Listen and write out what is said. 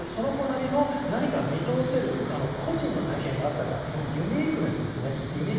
その子なりの何か見通せる個人の経験があったか、ユニークさですね。